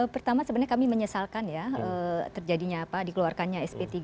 pertama sebenarnya kami menyesalkan ya terjadinya apa dikeluarkannya sp tiga